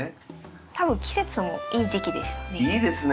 多分季節もいい時期でしたね。